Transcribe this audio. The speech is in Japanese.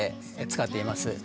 使っています。